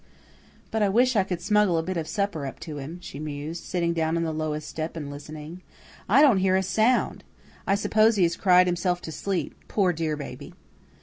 "But I wish I could smuggle a bit of supper up to him," she mused, sitting down on the lowest step and listening. "I don't hear a sound. I suppose he has cried himself to sleep, poor, dear baby.